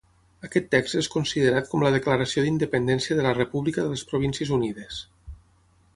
Aquest text és considerat com la declaració d'independència de la república de les Províncies Unides.